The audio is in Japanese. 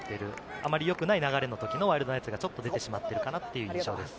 あまりよくない流れの時のワイルドナイツが出てしまっているかなという感じです。